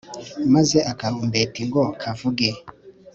maze akarumbeti ngo kavuge